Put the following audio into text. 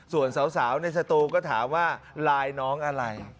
ส่วนสาวในสตูก็ถามว่าไลน์น้องอะไร